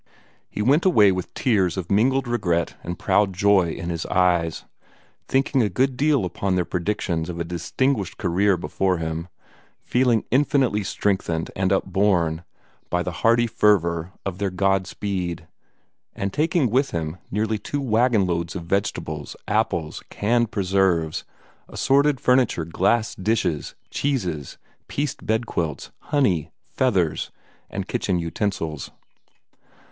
He went away with tears of mingled regret and proud joy in his eyes, thinking a good deal upon their predictions of a distinguished career before him, feeling infinitely strengthened and upborne by the hearty fervor of their God speed, and taking with him nearly two wagon loads of vegetables, apples, canned preserves, assorted furniture, glass dishes, cheeses, pieced bedquilts, honey, feathers, and kitchen utensils.